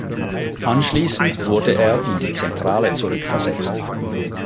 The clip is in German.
Anschließend wurde er in die Zentrale zurückversetzt.